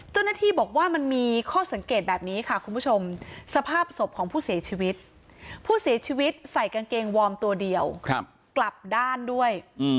เจ้าหน้าที่บอกว่ามันมีข้อสังเกตแบบนี้ค่ะคุณผู้ชมสภาพศพของผู้เสียชีวิตผู้เสียชีวิตใส่กางเกงวอร์มตัวเดียวกลับด้านด้วย